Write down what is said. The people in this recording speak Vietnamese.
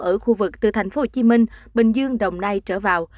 ở khu vực từ thành phố hồ chí minh bình dương đồng nai trở vào